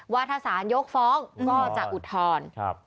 วัฒนศาสนยกฟ้องก็จะอุดทอน